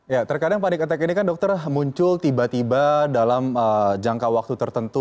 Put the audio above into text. ya terkadang panic attack ini kan dokter muncul tiba tiba dalam jangka waktu tertentu